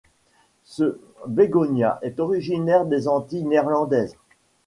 Ce bégonia est originaire des Antilles Néerlandaises.